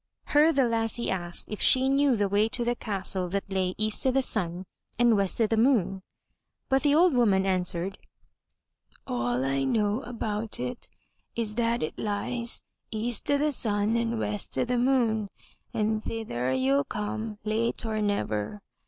Her the lassie asked if she knew the way to the Castle that lay EAST O' THE SUN AND WEST O' THE MOON. But the old woman answered: 402 THROUGH FAIRY HALLS ''All I know about it is that it lies EAST O' THE SUN AND WEST O' THE MOON and thither you'll come late or never.